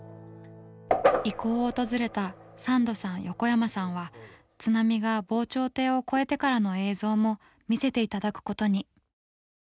遺構を訪れたサンドさん横山さんは津波が防潮堤を越えてからの映像も見せて頂くことに。